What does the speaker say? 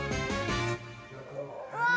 うわ！